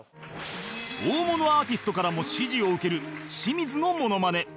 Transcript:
大物アーティストからも支持を受ける清水のモノマネ